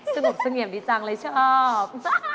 สนุกสงเหยียมดีจังเลยชอบ